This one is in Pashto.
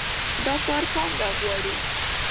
دا کار پانګه غواړي.